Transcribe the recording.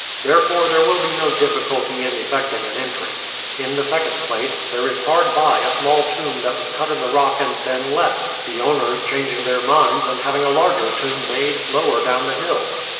Therefore there will be no difficulty in effecting an entry. In the second place, there is hard by a small tomb that was cut in the rock and then left the owners changing their minds and having a larger tomb made lower down the hill.